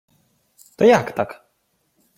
— То як так?